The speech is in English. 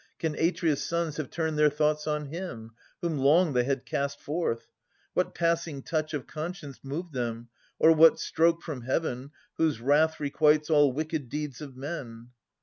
Can Atreus' sons have turned their thoughts on him, Whom long they had cast forth? What passing touch Of conscience moved them, or what stroke from Heaven, Whose wrath requites all wicked deeds of men